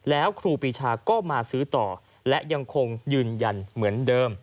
แล้วครูปีชาก็มาซื้อต่อและยังคงยืนยันเหมือนเดิม